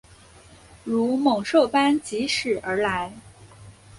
如猛兽般疾驶而来